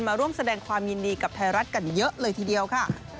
มาร่วมแสดงความยินดีกับไทยรัฐกันเยอะเลยทีเดียวค่ะ